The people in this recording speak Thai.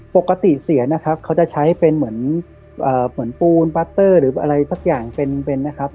ปกติเสียนะครับเขาจะใช้เป็นเหมือนปูนปัสเตอร์หรืออะไรสักอย่างเป็นนะครับ